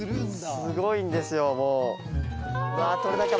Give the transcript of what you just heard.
すごいんですよもう！